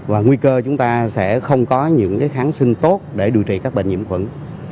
và nguy cơ chúng ta sẽ không có những kháng sinh tốt để điều trị các bệnh nhiễm khuẩn